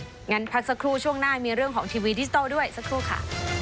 งั้นพักสักครู่ช่วงหน้ามีเรื่องของทีวีดิจิทัลด้วยสักครู่ค่ะ